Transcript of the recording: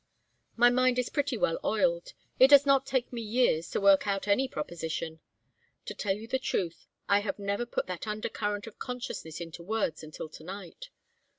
"My mind is pretty well oiled: it does not take me years to work out any proposition. To tell you the truth, I have never put that undercurrent of consciousness into words until to night.